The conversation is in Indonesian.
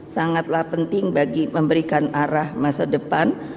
sangatlah penting bagi memberikan arah masa depan